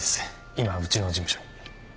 今うちの事務所に。